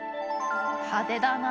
派手だな。